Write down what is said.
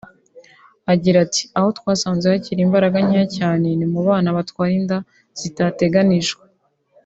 Agira ati “Aho twasanze hakiri imbaraga nkeya cyane ni mu bana batwara inda zitateganijwe